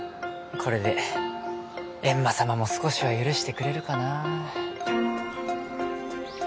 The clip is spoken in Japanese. これでえんま様も少しは許してくれるかな？